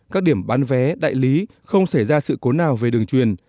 các điểm bán vé đại lý không xảy ra sự cố nào về đường truyền